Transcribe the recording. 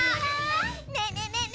ねえねえねえねえ。